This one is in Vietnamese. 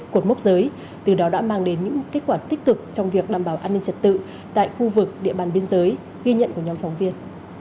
cột mốc giới từ đó đã mang đến những kết quả tích cực trong việc đảm bảo an ninh trật tự tại khu vực địa bàn biên giới ghi nhận của nhóm phóng viên